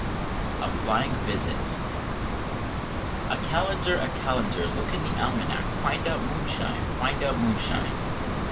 A FLYING VISIT. "A Calendar! a Calendar! look in the Almanac, find out moonshine find out moonshine!"